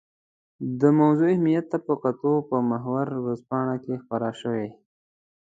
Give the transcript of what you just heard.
د موضوع اهمیت ته په کتو په محور ورځپاڼه کې خپره شوې.